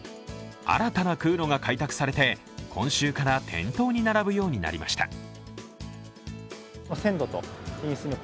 新たな空路が開拓されて今週から店頭に並ぶようになりました。